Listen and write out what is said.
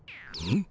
うん？